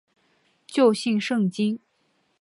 旧姓胜津。